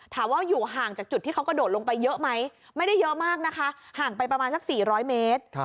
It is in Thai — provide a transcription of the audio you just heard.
ถามว่าอยู่ห่างจากจุดที่เขากระโดดลงไปเยอะไหมไม่ได้เยอะมากนะคะห่างไปประมาณสัก๔๐๐เมตร